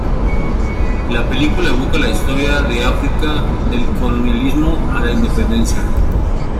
La película evoca la historia de África, del colonialismo a la independencia.